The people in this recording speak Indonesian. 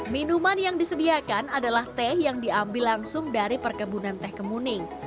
minuman yang disediakan adalah teh yang diambil langsung dari perkebunan teh kemuning